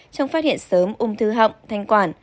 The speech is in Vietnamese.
trong phát hiện sớm ung thư họng thanh quản